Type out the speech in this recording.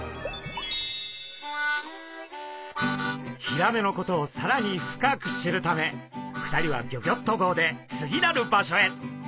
ヒラメのことをさらに深く知るため２人はギョギョッと号で次なる場所へ！